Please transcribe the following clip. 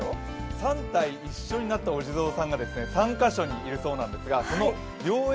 ３体一緒になったお地蔵さんが３か所にいるそうなんですがその良縁